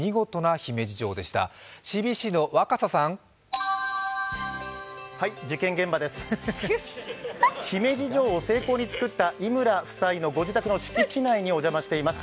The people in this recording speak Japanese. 姫路城を精巧に作った井村夫妻のお宅にお邪魔しています。